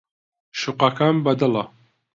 شوقەکەم بەدڵە.